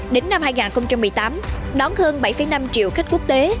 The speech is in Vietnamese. đến năm hai nghìn một mươi tám đón hơn bảy năm triệu khách quốc tế